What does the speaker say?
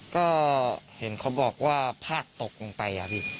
ก็เห็นเขาบอกว่าพาดตกลงไปอะพี่